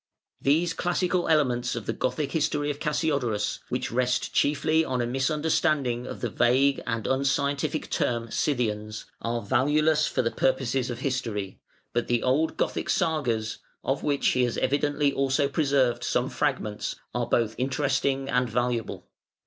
These classical elements of the Gothic history of Cassiodorus (which rest chiefly on a misunderstanding of the vague and unscientific term "Scythians") are valueless for the purposes of history; but the old Gothic Sagas, of which he has evidently also preserved some fragments, are both interesting and valuable.